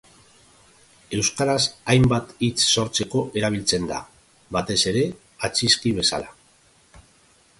Euskaraz hainbat hitz sortzeko erabiltzen da, batez ere atzizki bezala.